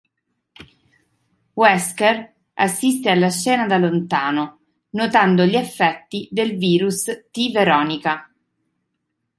Wesker assiste alla scena da lontano, notando gli effetti del Virus T-Veronica.